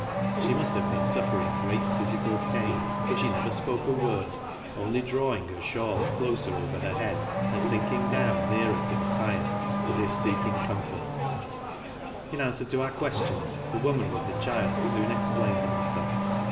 She must have been suffering great rhysieal pain, but she never spoke a word, only drawing her shawl closer over her head, and sinking down nearer to the lire as if seeking comfort. In answer to our ques tions the woman with the child soon explained the matter.